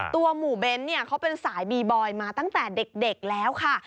ตัวหมู่เบ้นเนี่ยเขาเป็นสายบีบอยมาตั้งแต่เด็กแล้วค่ะ